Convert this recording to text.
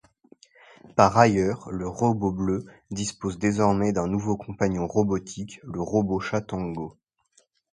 Par ailleurs, le robot bleu dispose désormais d'un nouveau compagnon robotique, le robot-chat Tango.